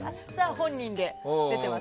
本人で出ています。